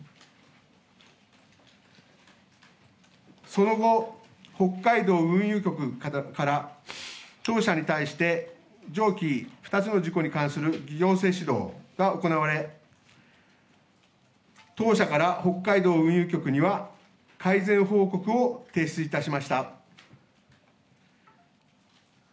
その後、北海道運輸局から当社に対して、上記２つの事故に関する行政指導が行われ、当社から北海道運輸局には、改善報告を提出いたしました。